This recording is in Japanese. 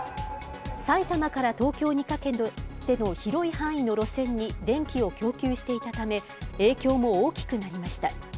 埼玉から東京にかけての広い範囲の路線に電気を供給していたため、影響も大きくなりました。